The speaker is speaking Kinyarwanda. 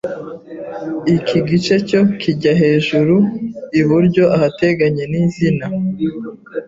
Iki gice cyo kijya hejuru iburyo ahateganye n’izina.